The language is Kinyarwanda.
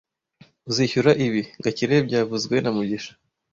Uzishyura ibi, Gakire byavuzwe na mugisha